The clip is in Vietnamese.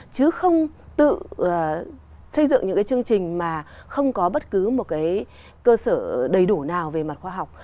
chứ không tự xây dựng những cái chương trình mà không có bất cứ một cái cơ sở đầy đủ nào về mặt khoa học